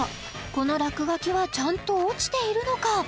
この落書きはちゃんと落ちているのか？